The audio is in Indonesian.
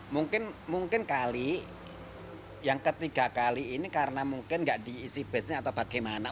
mungkin kali yang ketiga kali ini karena mungkin tidak diisi basenya atau bagaimana